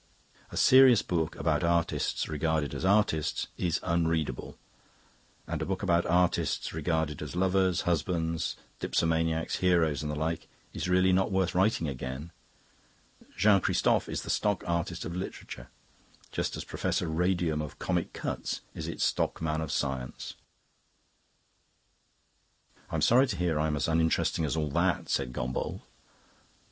A serious book about artists regarded as artists is unreadable; and a book about artists regarded as lovers, husbands, dipsomaniacs, heroes, and the like is really not worth writing again. Jean Christophe is the stock artist of literature, just as Professor Radium of 'Comic Cuts' is its stock man of science." "I'm sorry to hear I'm as uninteresting as all that," said Gombauld.